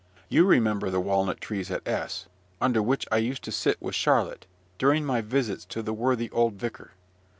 You remember the walnut trees at S , under which I used to sit with Charlotte, during my visits to the worthy old vicar.